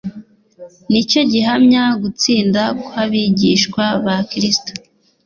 nicyo gihamya gutsinda kw'abigishwa ba Kristo.